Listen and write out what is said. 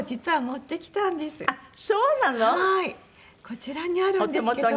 こちらにあるんですけど。